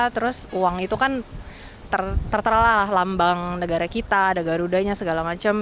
terus uang itu kan tertera lah lambang negara kita dagarudanya segala macam